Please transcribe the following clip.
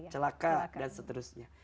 celaka dan seterusnya